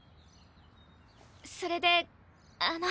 それであの。